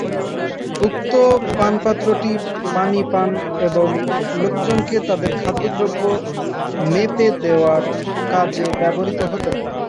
উক্ত পানপাত্রটি পানি পান এবং লোকজনকে তাদের খাদ্যদ্রব্য মেপে দেয়ার কাজে ব্যবহৃত হত।